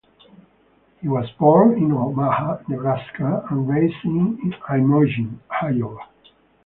He was born in Omaha, Nebraska and raised in Imogene, Iowa.